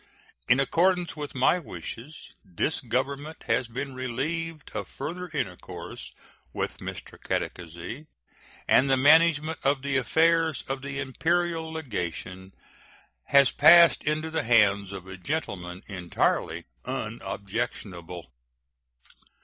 In accordance with my wishes, this Government has been relieved of further intercourse with Mr. Catacazy, and the management of the affairs of the imperial legation has passed into the hands of a gentleman entirely unobjectionable.